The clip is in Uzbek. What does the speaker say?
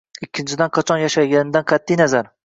ikkinchidan, qachon yashaganidan qat’i nazar